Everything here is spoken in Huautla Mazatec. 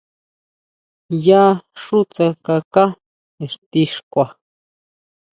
Yá xú tsakaká ixti xkua.